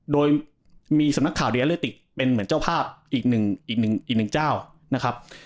โดยมีสำนักข่าวดีอาเลติกเป็นเหมือนเจ้าภาพอีกหนึ่งอีกหนึ่งเจ้านะครับ